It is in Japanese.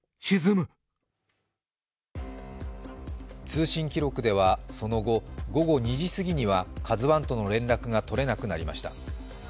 通信記録では、その後午後２時過ぎには「ＫＡＺＵⅠ」との連絡が取れなくなりました。